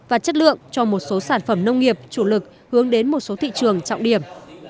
và chất lượng cho một số sản phẩm nông nghiệp chủ lực hướng đến một số thị trường trọng điểm